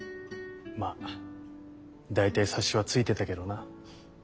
まっ大体察しはついてたけどな。